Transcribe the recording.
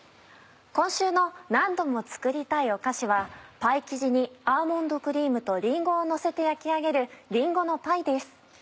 今週の「何度も作りたいお菓子」はパイ生地にアーモンドクリームとりんごをのせて焼き上げる「りんごのパイ」です。